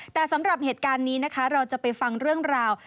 แต่สำหรับเหตุการณ์นี้นะคะเราจะไปฟังเรื่องราว